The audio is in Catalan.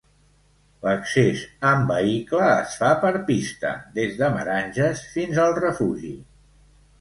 L'accés amb vehicle es fa per pista, des de Meranges, fins al refugi.